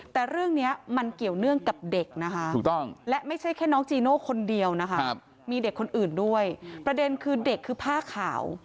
แต่เรื่องนี้มันเกี่ยวเนื่องกับเด็กนะคะและไม่ใช่แค่น้องจีโน่คนเดียวนะคะมีเด็กคนอื่นด้วยประเด็นคือเด็กคือผ้าขาว